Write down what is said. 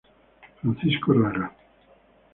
Francisco Raga.